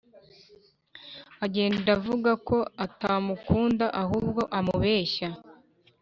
agenda avugako atamukunda ahubwo amubeshya